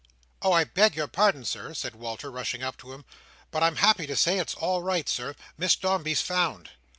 "Oh! I beg your pardon, Sir," said Walter, rushing up to him, "but I'm happy to say it's all right, Sir. Miss Dombey's found!"